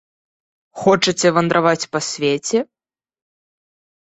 Хочаце вандраваць па свеце?